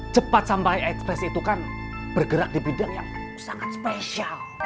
cepat sampai ekspres itu kan bergerak di bidang yang sangat spesial